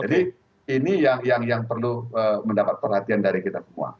jadi ini yang perlu mendapat perhatian dari kita semua